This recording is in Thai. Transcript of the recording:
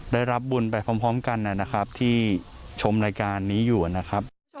ได้รับบุญไปพร้อมกันนะครับที่ชมรายการนี้อยู่นะครับ